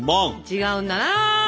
違うんだな！